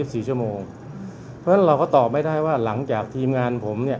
เพราะฉะนั้นเราก็ตอบไม่ได้ว่าหลังจากทีมงานผมเนี่ย